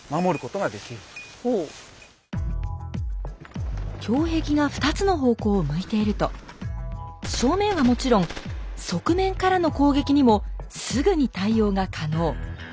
胸壁を胸壁が２つの方向を向いていると正面はもちろん側面からの攻撃にもすぐに対応が可能。